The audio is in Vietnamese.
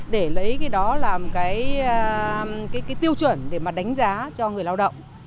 để lấy cái đó làm cái tiêu chuẩn để mà đánh giá cho người lao động